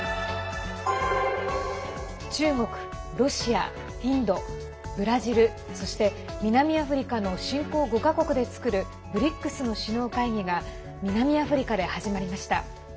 中国、ロシア、インドブラジル、そして南アフリカの新興５か国で作るＢＲＩＣＳの首脳会議が南アフリカで始まりました。